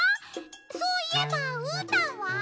そういえばうーたんは？